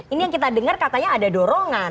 ini yang kita dengar katanya ada dorongan